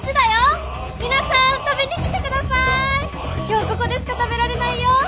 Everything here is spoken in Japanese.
今日ここでしか食べられないよ！